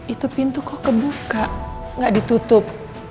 itu pintu kok kebuka gak ditutup